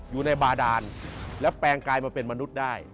อยู่ในบาดานแล้วแปลงกลายมาเป็นมนุษย์ได้